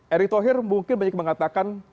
erick thohir mungkin banyak mengatakan